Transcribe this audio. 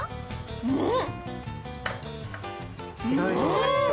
うん！